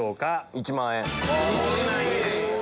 １万円。